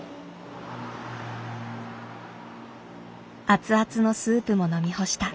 熱々のスープも飲み干した。